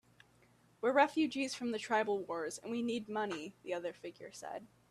"We're refugees from the tribal wars, and we need money," the other figure said.